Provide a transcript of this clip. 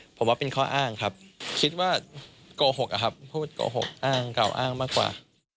ผมว่าเป็นข้ออ้างครับคิดว่าโกหกอะครับพูดโกหกอ้างกล่าวอ้างมากกว่า